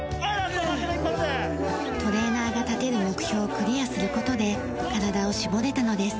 トレーナーが立てる目標をクリアする事で体を絞れたのです。